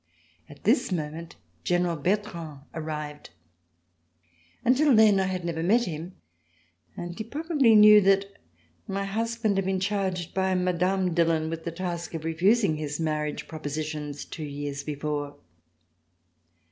At this moment General Bertrand arrived. Until then I had never met him, and he probably knew that my husband had been charged by Mme. Dillon with the task of refusing his marriage propositions two years before.